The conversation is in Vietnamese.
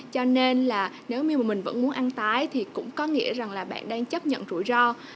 cho nên là nếu như mà mình vẫn muốn ăn tái thì cũng có nghĩa rằng là bạn đang chấp nhận rủi ro